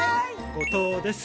後藤です。